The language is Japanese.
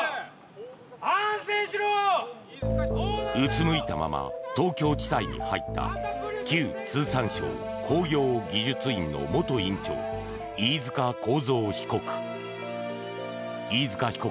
うつむいたまま東京地裁に入った旧通産省工業技術院の元院長飯塚幸三被告。